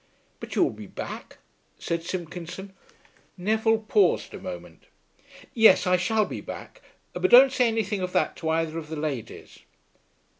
"But you will be back?" said Simpkinson. Neville paused a moment. "Yes, I shall be back, but don't say anything of that to either of the ladies."